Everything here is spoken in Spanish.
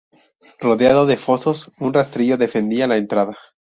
Rodeado de fosos, un rastrillo defendía la entrada.